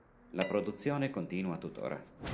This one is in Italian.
La produzione continua tuttora.